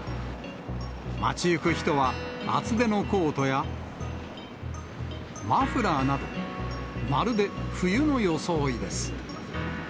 街行く人は厚手のコートや、マフラーなど、まるで冬の装いです。